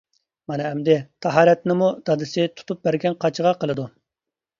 مانا ئەمدى، تاھارەتنىمۇ دادىسى تۇتۇپ بەرگەن قاچىغا قىلىدۇ.